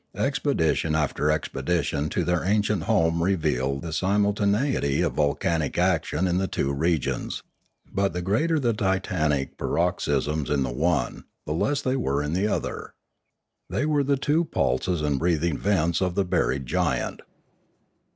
Expedition after expedition to their ancient home revealed the simul taneity of volcanic action in the two regions; but the greater the titanic paroxysms in the one, the less they were in the other. They were the two pulses and breathing vents of the buried giant.